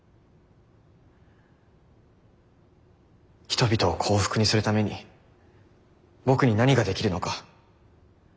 人々を幸福にするために僕に何ができるのか。